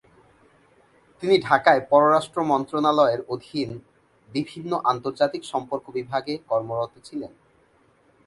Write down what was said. তিনি ঢাকায় পররাষ্ট্র মন্ত্রণালয়ের অধীন বিভিন্ন আন্তর্জাতিক সম্পর্ক বিভাগে কর্মরত ছিলেন।